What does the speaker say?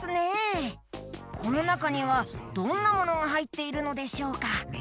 このなかにはどんなものがはいっているのでしょうか？